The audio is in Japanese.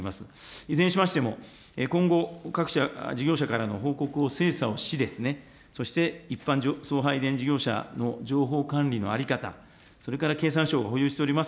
いずれにしましても、今後、各社事業者からの報告を精査をし、そして一般送配電事業者の情報管理の在り方、それから経産省が保有しております